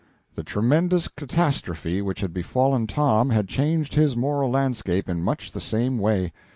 The tremendous catastrophe which had befallen Tom had changed his moral landscape in much the same way.